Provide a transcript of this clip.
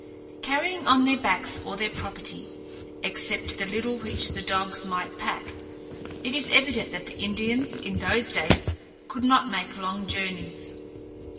Carrying on their backs all their property, except the little which the dogs might pack, it is evident that the Indians in those days could not make long journeys.